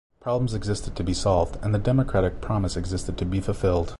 Problems existed to be solved, and the democratic promise existed to be fulfilled.